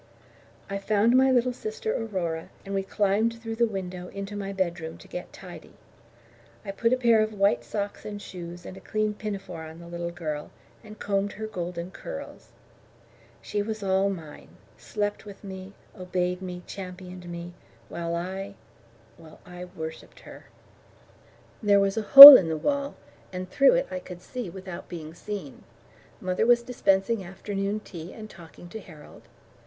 I found my little sister Aurora, and we climbed through the window into my bedroom to get tidy. I put a pair of white socks and shoes and a clean pinafore on the little girl, and combed her golden curls. She was all mine slept with me, obeyed me, championed me; while I well, I worshipped her. There was a hole in the wall, and through it I could see without being seen. Mother was dispensing afternoon tea and talking to Harold.